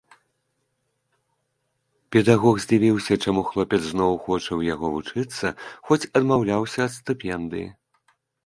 Педагог здзівіўся, чаму хлопец зноў хоча ў яго вучыцца, хоць адмаўляўся ад стыпендыі.